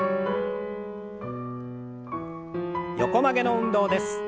横曲げの運動です。